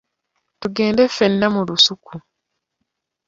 Tugende ffenna mu lusuku.